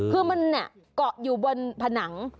คือมันเกาะอยู่บนผนัง